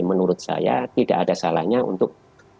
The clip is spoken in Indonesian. menurut saya tidak ada salahnya untuk